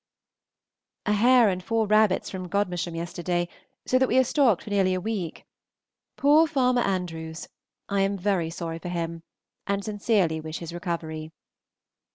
A hare and four rabbits from Gm. yesterday, so that we are stocked for nearly a week. Poor Farmer Andrews! I am very sorry for him, and sincerely wish his recovery.